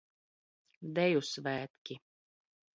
Deju svētki.